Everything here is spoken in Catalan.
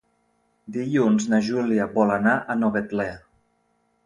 Dilluns na Júlia vol anar a Novetlè.